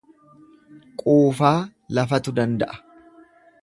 Quufaa lafatu danda'a.